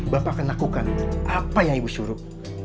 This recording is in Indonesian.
bapak akan lakukan apa yang ibu suruh